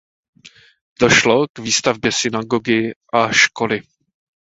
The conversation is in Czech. Došlo k výstavbě synagogy a školy.